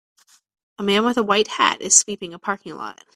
A man with a white hat is sweeping a parking lot.